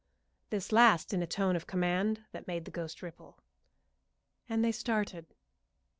This last in a tone of command that made the ghost ripple. And they started.